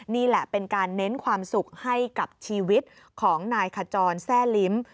นี่แหละเป็นการเน้นความสุขให้กับชีวิตของนายขจรแทร่ลิ้ม